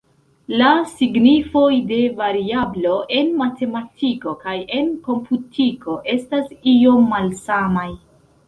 La signifoj de variablo en matematiko kaj en komputiko estas iom malsamaj.